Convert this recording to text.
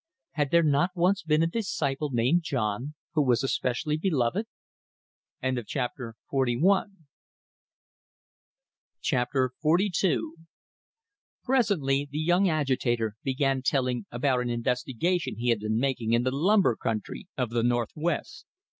Had there not once been a disciple named John, who was especially beloved? XLII Presently the young agitator began telling about an investigation he had been making in the lumber country of the Northwest.